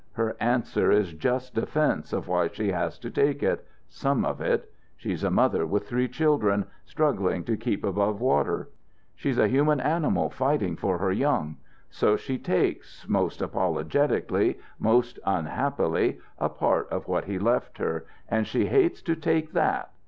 Her answer is just defence of why she has to take it some of it. She's a mother with three children, struggling to keep above water. She's a human animal fighting for her young. So she takes, most apologetically, most unhappily, a part of what he left her, and she hates to take that.